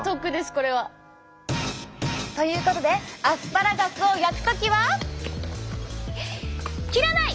これは。ということでアスパラガスを焼く時は切らない！